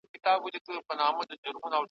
جهاني اوس دي په کوڅو کي پلونه نه وینمه `